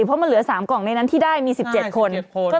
เพราะมันเหลือสามกล่องในนั้นที่ได้มีสิบเจ็ดคนสิบเจ็ดคน